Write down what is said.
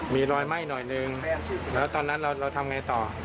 มีรอยไหม้หน่อยนึงแล้วตอนนั้นเราทำไงต่อ